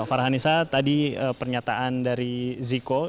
farhanisa tadi pernyataan dari ziko